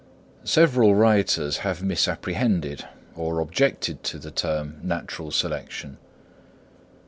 Several writers have misapprehended or objected to the term Natural Selection.